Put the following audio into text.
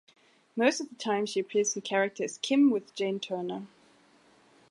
Most of the time she appears in character as Kim, with Jane Turner.